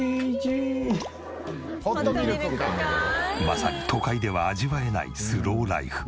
まさに都会では味わえないスローライフ。